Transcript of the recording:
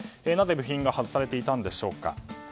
なぜ、部品が外されていたんでしょうか。